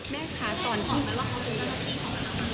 แม่ขาดก่อนคิดว่าเขาเป็นรถแท็กซี่ของอะไร